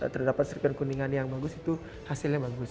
terdapat sirkuit kuningan yang bagus itu hasilnya bagus